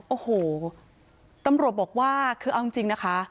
โอ้โหตำรวจบอกว่าคือเอาจริงนะคะ